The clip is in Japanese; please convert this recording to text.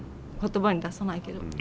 言葉に出さないけど。